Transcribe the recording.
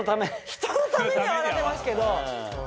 ひとのために泡立てますけど。